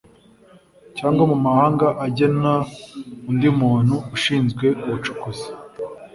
Cyangwa mu mahanga agena undi muntu ushinzwe ubucukuzi